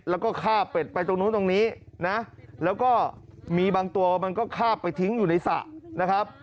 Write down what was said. แล้วก็ฆ่าเป็ดไปตรงนู้นตรงนี้นะแล้วก็มีบางตัวมันก็คาบไปทิ้งอยู่ในสระนะครับ